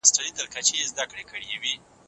د خپرونې ځای او نېټه باید څرګنده وي.